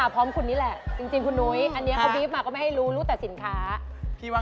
พี่ว่าไง